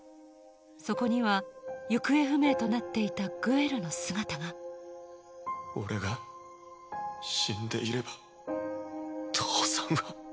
そこには行方不明となっていたグエルの姿が俺が死んでいれば父さんは。